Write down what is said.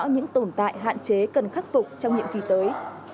những tồn tại hạn chế cần khắc phục trong nhiệm kỳ tới